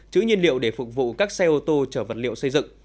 chữ nhiên liệu để phục vụ các xe ô tô chở vật liệu xây dựng